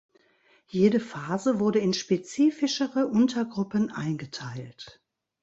Jede Phase wurde in spezifischere Untergruppen eingeteilt.